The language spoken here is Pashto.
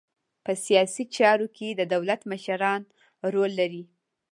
په سیاسي چارو کې د دولت مشران رول لري